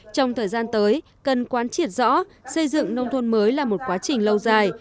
trong thời gian tới cần quan triệt rõ xây dựng nông thôn mới là một quá trình lâu dài